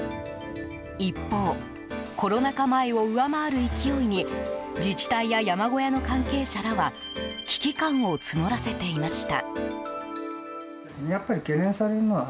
一方、コロナ禍前を上回る勢いに自治体や山小屋の関係者らは危機感を募らせていました。